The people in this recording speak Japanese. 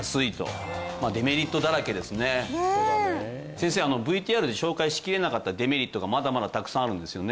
先生ＶＴＲで紹介しきれなかったデメリットがまだまだたくさんあるんですよね？